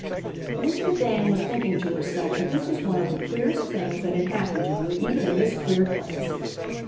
Elizabeth Ann was thinking to herself that this was one of the queerest things that had happened to her even in this queer place.